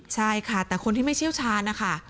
ใช่ค่ะแต่คนที่ไม่เชี่ยวชาญนะคะ